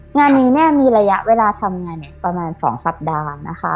งานนี้เนี่ยมีระยะเวลาทำงานประมาณ๒สัปดาห์นะคะ